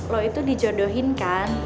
lo itu di jodohin kan